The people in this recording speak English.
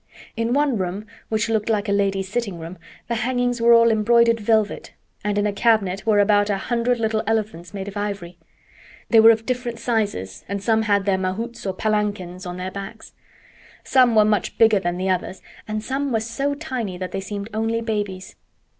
In one room, which looked like a lady's sitting room, the hangings were all embroidered velvet, and in a cabinet were about a hundred little elephants made of ivory. They were of different sizes, and some had their mahouts or palanquins on their backs. Some were much bigger than the others and some were so tiny that they seemed only babies.